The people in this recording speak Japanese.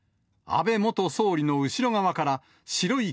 安倍元総理の後ろ側から白い